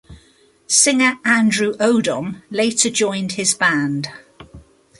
Singer Andrew Odom later joined his band.